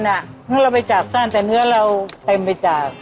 เพราะเราไปจากสั้นแต่เนื้อเราเต็มไปจาก